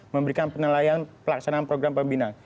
memberikan penilaian pelaksanaan program pembinaan